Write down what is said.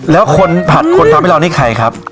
แล้วคนผัดคนทำให้เรานี่ใครครับ